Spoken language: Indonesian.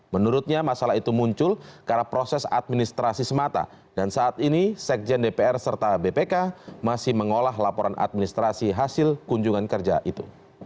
menurutnya masalah itu muncul karena proses administrasi semata dan saat ini sekjen dpr serta bpk masih mengolah laporan administrasi hasil kunjungan kerja itu